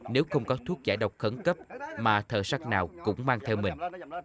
nếu không có thuốc giải độc khẩn cấp mà thợ nào cũng mang theo mình